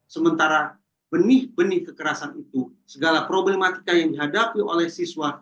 sementara benih benih kekerasan itu segala problematika yang dihadapi oleh siswa